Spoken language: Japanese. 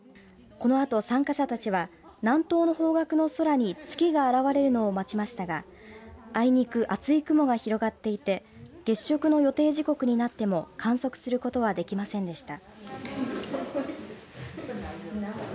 このあと参加者たちは南東の方角の空に月が現れるのを待ちましたがあいにく、厚い雲が広がっていて月食の予定時刻になっても観測することはできませんでした。